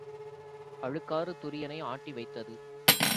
அழுக்காறு துரியனை ஆட்டி வைத்தது.